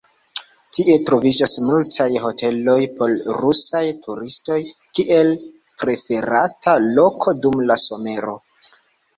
Tie troviĝas multaj hoteloj por rusaj turistoj, kiel preferata loko dum la somero.